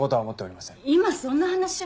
今そんな話は。